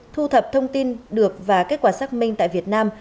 thu thập thông tin được và kết quả xác minh tại việt nam